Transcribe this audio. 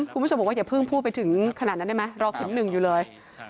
คุณผู้ชมบอกว่าอย่าเพิ่งพูดไปถึงขนาดนั้นได้ไหมรอเข็ม๑อยู่เลย